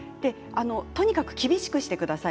とにかく厳しくしてください。